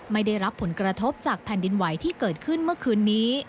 ไม่ได้รับผลกระทบจากแผ่นดินไหวที่เกิดขึ้นเมื่อคืนนี้